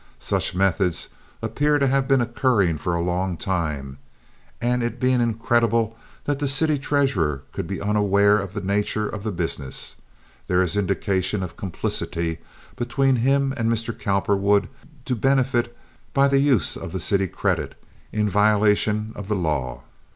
Such methods appear to have been occurring for a long time, and it being incredible that the city treasurer could be unaware of the nature of the business, there is indication of a complicity between him and Mr. Cowperwood to benefit by the use of the city credit, in violation of the law.